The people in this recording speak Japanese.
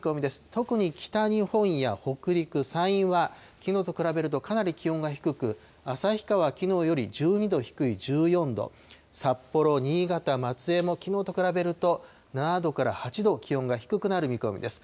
特に北日本や北陸、山陰は、きのうと比べるとかなり気温が低く、旭川、きのうより１２度低い１４度、札幌、新潟、松江もきのうと比べると、７度から８度、気温が低くなる見込みです。